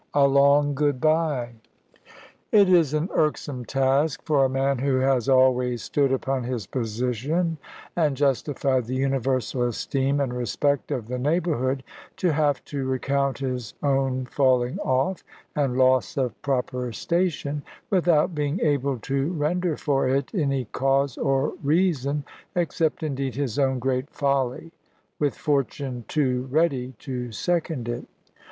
A LONG GOOD BYE. It is an irksome task for a man who has always stood upon his position, and justified the universal esteem and respect of the neighbourhood, to have to recount his own falling off, and loss of proper station, without being able to render for it any cause or reason, except indeed his own great folly, with fortune too ready to second it.